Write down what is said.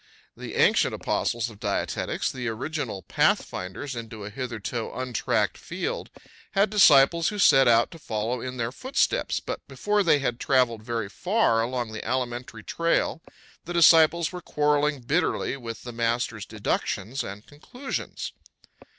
The ancient apostles of dietetics, the original pathfinders into a hitherto untracked field, had disciples who set out to follow in their footsteps, but before they had traveled very far along the alimentary trail the disciples were quarreling bitterly with the masters' deductions and conclusions.